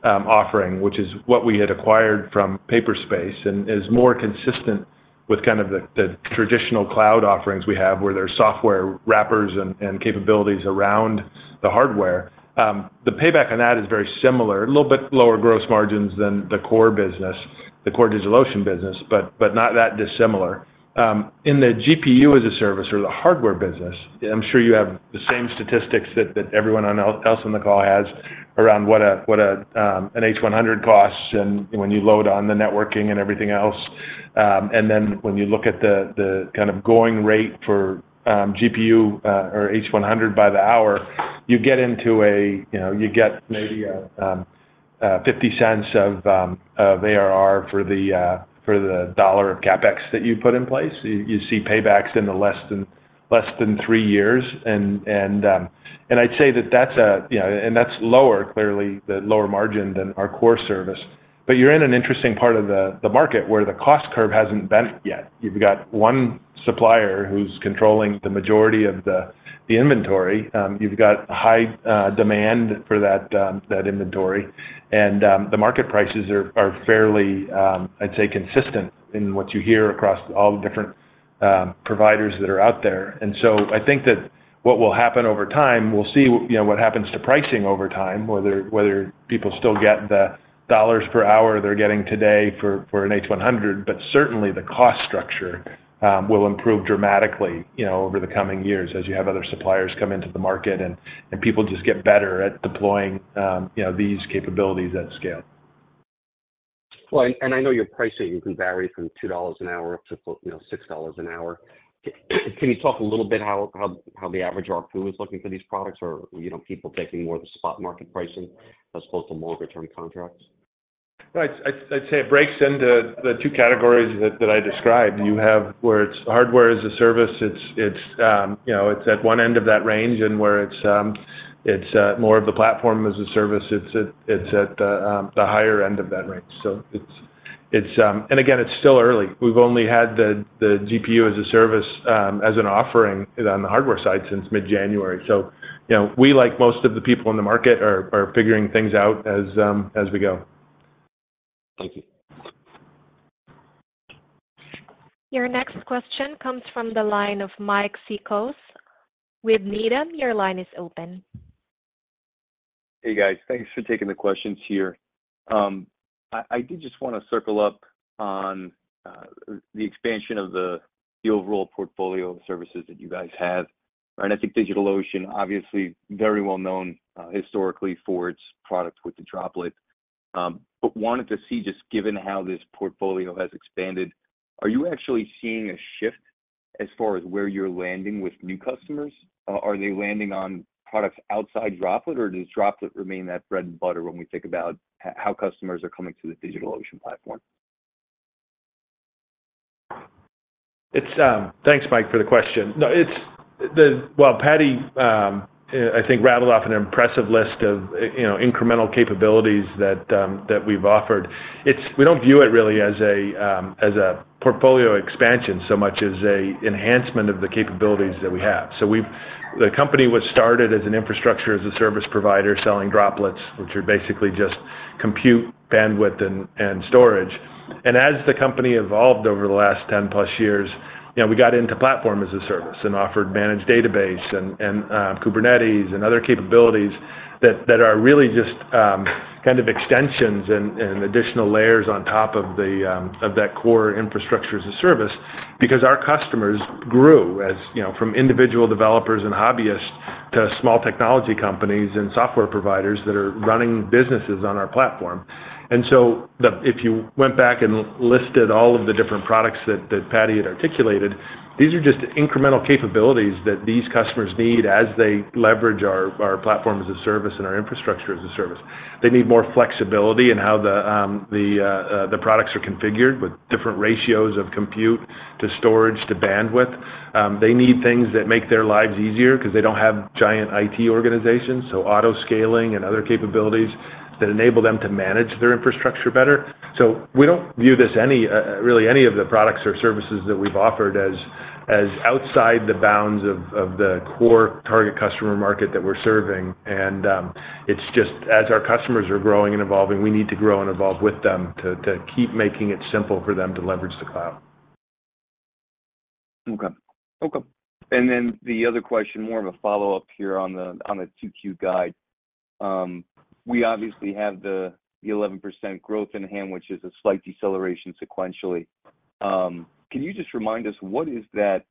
offering, which is what we had acquired from Paperspace and is more consistent with kind of the traditional cloud offerings we have where there's software wrappers and capabilities around the hardware. The payback on that is very similar, a little bit lower gross margins than the core business, the core DigitalOcean business, but not that dissimilar. In the GPU as a service or the hardware business, I'm sure you have the same statistics that everyone else on the call has around what an H100 costs when you load on the networking and everything else. And then when you look at the kind of going rate for GPU or H100 by the hour, you get maybe $0.50 of ARR for the $1 of CapEx that you put in place. You see paybacks in less than three years. I'd say that's lower, clearly, the lower margin than our core service. But you're in an interesting part of the market where the cost curve hasn't bent yet. You've got one supplier who's controlling the majority of the inventory. You've got high demand for that inventory. And the market prices are fairly, I'd say, consistent in what you hear across all the different providers that are out there. And so I think that what will happen over time, we'll see what happens to pricing over time, whether people still get the dollars per hour they're getting today for an H100. But certainly, the cost structure will improve dramatically over the coming years as you have other suppliers come into the market and people just get better at deploying these capabilities at scale. Well, I know your pricing, it can vary from $2 an hour up to $6 an hour. Can you talk a little bit how the average ARPU is looking for these products or people taking more of the spot market pricing as opposed to longer-term contracts? No, I'd say it breaks into the two categories that I described. You have where it's hardware as a service. It's at one end of that range. And where it's more of the platform as a service, it's at the higher end of that range. And again, it's still early. We've only had the GPU as a service as an offering on the hardware side since mid-January. So we, like most of the people in the market, are figuring things out as we go. Thank you. Your next question comes from the line of Mike Cikos with Needham. Your line is open. Hey, guys. Thanks for taking the questions here. I did just want to circle up on the expansion of the overall portfolio of services that you guys have. And I think DigitalOcean, obviously, very well known historically for its product with the Droplet. But wanted to see, just given how this portfolio has expanded, are you actually seeing a shift as far as where you're landing with new customers? Are they landing on products outside Droplet, or does Droplet remain that bread and butter when we think about how customers are coming to the DigitalOcean platform? Thanks, Mike, for the question. No, it's, well, Paddy, I think, rattled off an impressive list of incremental capabilities that we've offered. We don't view it really as a portfolio expansion so much as an enhancement of the capabilities that we have. So the company was started as an infrastructure as a service provider selling Droplets, which are basically just compute, bandwidth, and storage. And as the company evolved over the last 10-plus years, we got into platform as a service and offered managed database and Kubernetes and other capabilities that are really just kind of extensions and additional layers on top of that core infrastructure as a service because our customers grew from individual developers and hobbyists to small technology companies and software providers that are running businesses on our platform. So if you went back and listed all of the different products that Paddy had articulated, these are just incremental capabilities that these customers need as they leverage our platform as a service and our infrastructure as a service. They need more flexibility in how the products are configured with different ratios of compute to storage to bandwidth. They need things that make their lives easier because they don't have giant IT organizations, so auto-scaling and other capabilities that enable them to manage their infrastructure better. So we don't view this, really, any of the products or services that we've offered as outside the bounds of the core target customer market that we're serving. It's just as our customers are growing and evolving, we need to grow and evolve with them to keep making it simple for them to leverage the cloud. Okay. Okay. And then the other question, more of a follow-up here on the 2Q guide. We obviously have the 11% growth in hand, which is a slight deceleration sequentially. Can you just remind us, what is that,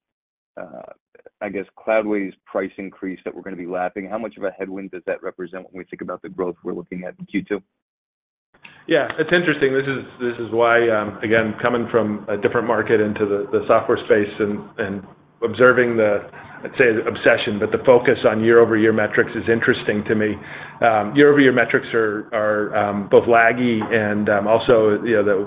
I guess, Cloudways price increase that we're going to be lapping? How much of a headwind does that represent when we think about the growth we're looking at in Q2? Yeah, it's interesting. This is why, again, coming from a different market into the software space and observing the, I'd say, obsession, but the focus on year-over-year metrics is interesting to me. Year-over-year metrics are both laggy. And also,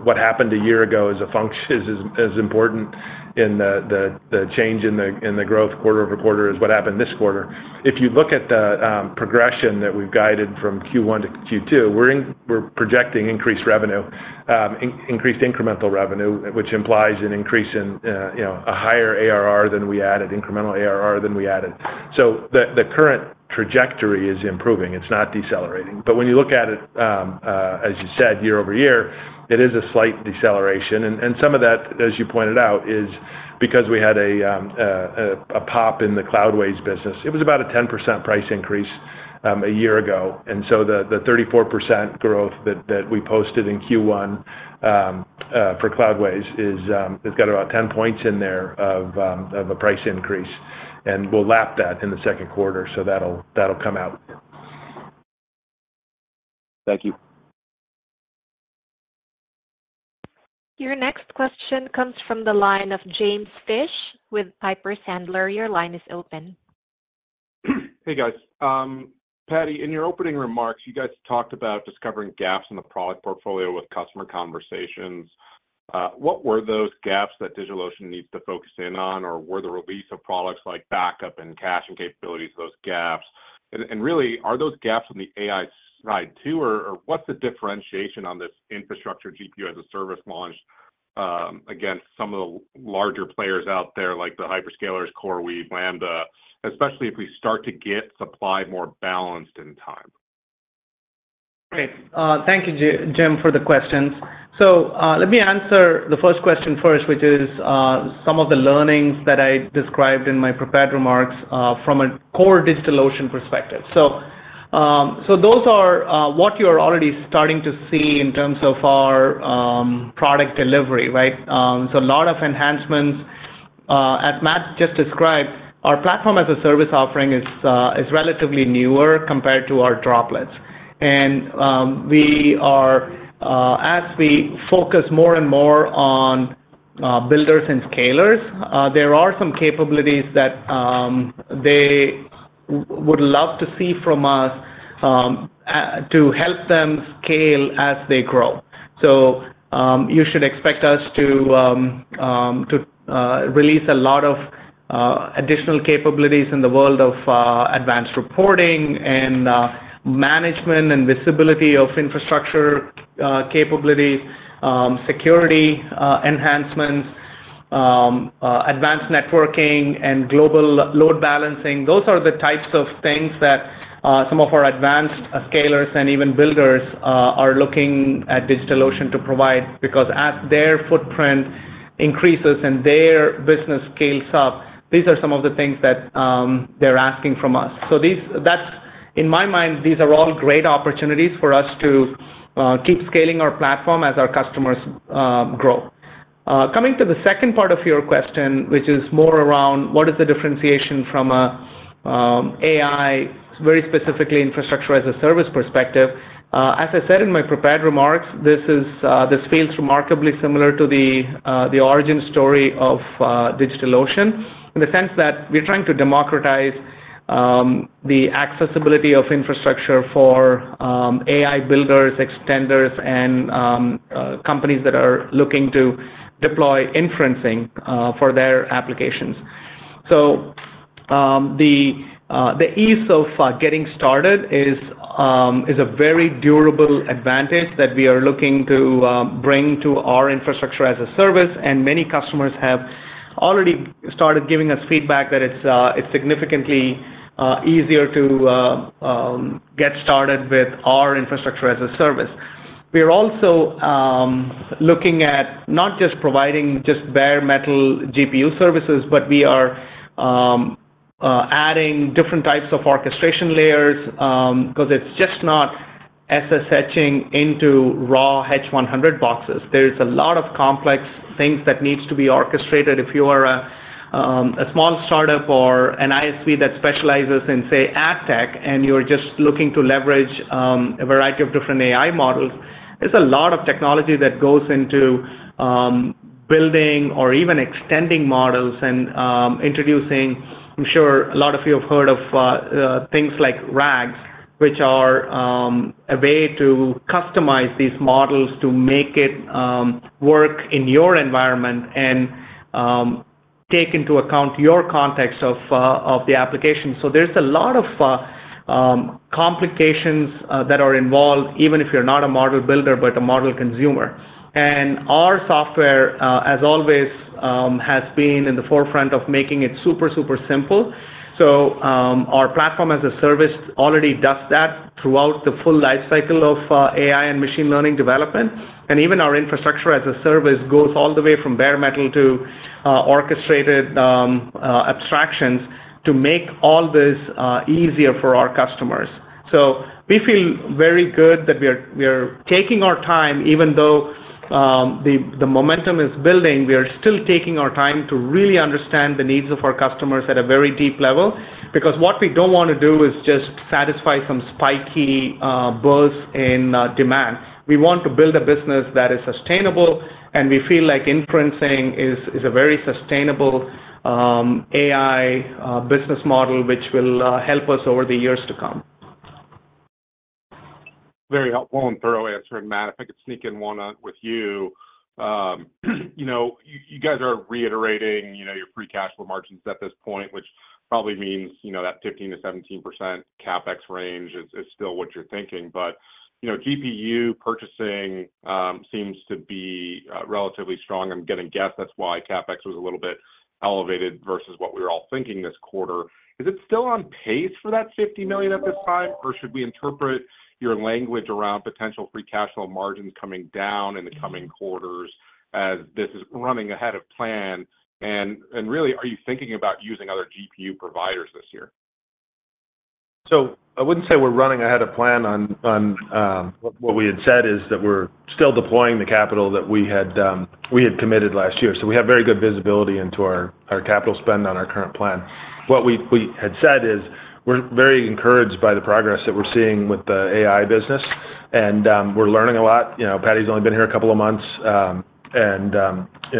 what happened a year ago is as important in the change in the growth quarter-over-quarter as what happened this quarter. If you look at the progression that we've guided from Q1 to Q2, we're projecting increased revenue, increased incremental revenue, which implies an increase in a higher ARR than we added, incremental ARR than we added. So the current trajectory is improving. It's not decelerating. But when you look at it, as you said, year-over-year, it is a slight deceleration. And some of that, as you pointed out, is because we had a pop in the Cloudways business. It was about a 10% price increase a year ago. So the 34% growth that we posted in Q1 for Cloudways has got about 10 points in there of a price increase. We'll lap that in the second quarter. That'll come out. Thank you. Your next question comes from the line of James Fish with Piper Sandler. Your line is open. Hey, guys. Paddy, in your opening remarks, you guys talked about discovering gaps in the product portfolio with customer conversations. What were those gaps that DigitalOcean needs to focus in on, or were the release of products like backup and caching capabilities those gaps? And really, are those gaps on the AI side, too? Or what's the differentiation on this infrastructure GPU as a service launch against some of the larger players out there like the hyperscalers, CoreWeave, Lambda, especially if we start to get supply more balanced in time? Right. Thank you, James, for the questions. So let me answer the first question first, which is some of the learnings that I described in my prepared remarks from a core DigitalOcean perspective. So those are what you are already starting to see in terms of our product delivery, right? So a lot of enhancements, as Matt just described, our platform as a service offering is relatively newer compared to our Droplets. And as we focus more and more on builders and scalers, there are some capabilities that they would love to see from us to help them scale as they grow. So you should expect us to release a lot of additional capabilities in the world of advanced reporting and management and visibility of infrastructure capabilities, security enhancements, advanced networking, and global load balancing. Those are the types of things that some of our advanced scalers and even builders are looking at DigitalOcean to provide because as their footprint increases and their business scales up, these are some of the things that they're asking from us. So in my mind, these are all great opportunities for us to keep scaling our platform as our customers grow. Coming to the second part of your question, which is more around what is the differentiation from AI, very specifically infrastructure as a service perspective, as I said in my prepared remarks, this feels remarkably similar to the origin story of DigitalOcean in the sense that we're trying to democratize the accessibility of infrastructure for AI builders, extenders, and companies that are looking to deploy inferencing for their applications. So the ease of getting started is a very durable advantage that we are looking to bring to our infrastructure as a service. And many customers have already started giving us feedback that it's significantly easier to get started with our infrastructure as a service. We are also looking at not just providing just bare metal GPU services, but we are adding different types of orchestration layers because it's just not SSHing into raw H100 boxes. There's a lot of complex things that need to be orchestrated. If you are a small startup or an ISV that specializes in, say, ad tech, and you're just looking to leverage a variety of different AI models, there's a lot of technology that goes into building or even extending models and introducing. I'm sure a lot of you have heard of things like RAGs, which are a way to customize these models to make it work in your environment and take into account your context of the application. So there's a lot of complications that are involved, even if you're not a model builder but a model consumer. And our software, as always, has been in the forefront of making it super, super simple. So our platform as a service already does that throughout the full lifecycle of AI and machine learning development. Even our infrastructure as a service goes all the way from bare metal to orchestrated abstractions to make all this easier for our customers. We feel very good that we are taking our time. Even though the momentum is building, we are still taking our time to really understand the needs of our customers at a very deep level because what we don't want to do is just satisfy some spiky bursts in demand. We want to build a business that is sustainable. We feel like inferencing is a very sustainable AI business model which will help us over the years to come. Very helpful and thorough answer. Matt, if I could sneak in one with you. You guys are reiterating your free cash flow margins at this point, which probably means that 15%-17% CapEx range is still what you're thinking. GPU purchasing seems to be relatively strong. I'm going to guess that's why CapEx was a little bit elevated versus what we were all thinking this quarter. Is it still on pace for that $50 million at this time, or should we interpret your language around potential free cash flow margins coming down in the coming quarters as this is running ahead of plan? And really, are you thinking about using other GPU providers this year? So I wouldn't say we're running ahead of plan on what we had said is that we're still deploying the capital that we had committed last year. So we have very good visibility into our capital spend on our current plan. What we had said is we're very encouraged by the progress that we're seeing with the AI business. And we're learning a lot. Paddy's only been here a couple of months. And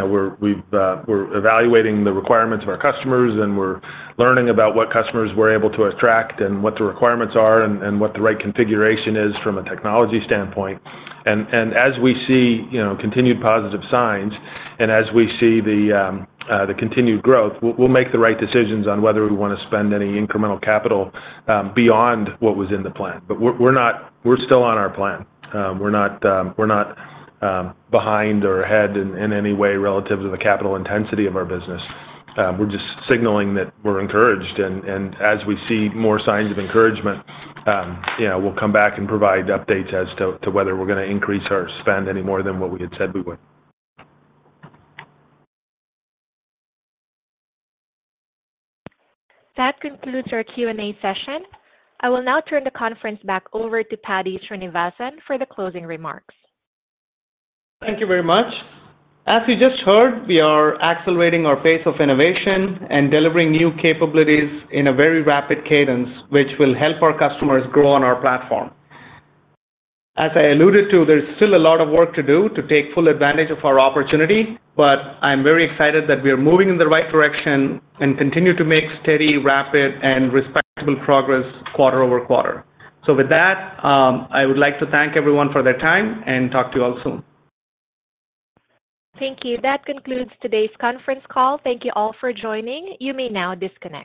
we're evaluating the requirements of our customers. And we're learning about what customers we're able to attract and what the requirements are and what the right configuration is from a technology standpoint. And as we see continued positive signs and as we see the continued growth, we'll make the right decisions on whether we want to spend any incremental capital beyond what was in the plan. But we're still on our plan. We're not behind or ahead in any way relative to the capital intensity of our business. We're just signaling that we're encouraged. As we see more signs of encouragement, we'll come back and provide updates as to whether we're going to increase our spend any more than what we had said we would. That concludes our Q&A session. I will now turn the conference back over to Paddy Srinivasan for the closing remarks. Thank you very much. As you just heard, we are accelerating our pace of innovation and delivering new capabilities in a very rapid cadence, which will help our customers grow on our platform. As I alluded to, there's still a lot of work to do to take full advantage of our opportunity. But I'm very excited that we are moving in the right direction and continue to make steady, rapid, and respectable progress quarter-over-quarter. With that, I would like to thank everyone for their time and talk to you all soon. Thank you. That concludes today's conference call. Thank you all for joining. You may now disconnect.